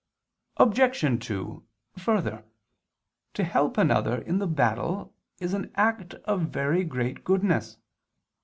Obj. 2: Further, to help another in the battle is an act of very great goodness.